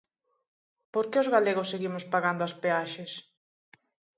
Por que os galegos seguimos pagando as peaxes?